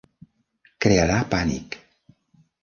Crearà pànic.